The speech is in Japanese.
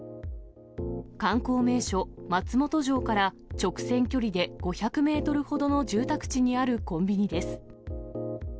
観光名所、松本城から直線距離で５００メートルほどの住宅地にあるコンビニです。